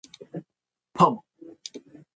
パモ